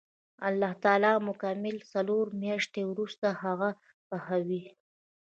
الله تعالی مکمل څلور میاشتې وروسته هغه پخوي.